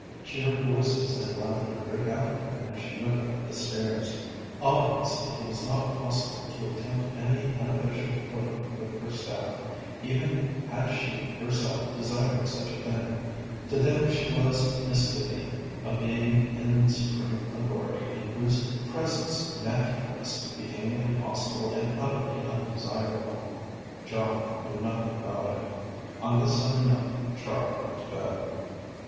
She heard voices and laughter break out again as she went up the stairs. Obviously it was not possible to attempt any unofficial footing with her staff, even had she herself desired such a thing. To them she was Miss Vivian, a being in supreme authority, in whose presence naturalness became impossible and utterly undesirable. John knew nothing about it. On this summing up, Char went to bed.